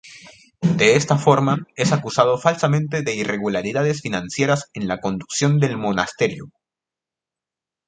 De esta forma, es acusado falsamente de irregularidades financieras en la conducción del monasterio.